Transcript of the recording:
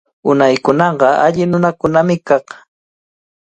Unaykunaqa alli nunakunami kaq.